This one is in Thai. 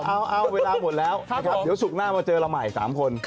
อ่าอ่าวเวลาหมดแล้วเดี๋ยวสุขหน้ามาเจอเราใหม่สามคน